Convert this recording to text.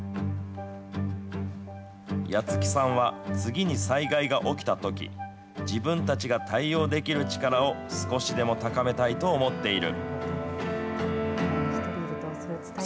八木さんは、次に災害が起きたとき、自分たちが対応できる力を、少しでも高めたいと思っている。